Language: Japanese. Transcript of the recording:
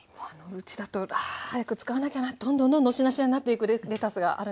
うちだとあ早く使わなきゃなどんどんどんどんしなしなになっていくレタスがあるんですが。